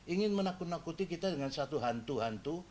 ingin menakuti kita dengan satu hantu hantu